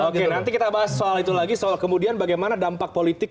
oke nanti kita bahas soal itu lagi soal kemudian bagaimana dampak politik